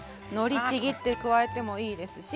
りちぎって加えてもいいですし